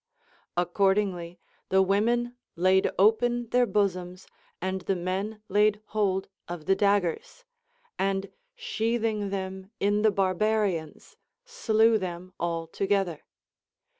Accordingly the women laid open their bosoms, αιχά the men laid hold of the daggers, and sheathing them in the barbarians, slew them all together.